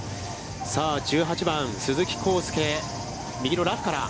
１８番、鈴木晃祐、右のラフから。